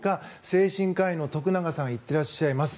精神科医の徳永さん言ってらっしゃいます。